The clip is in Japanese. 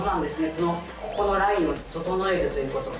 このここのラインを整えるということ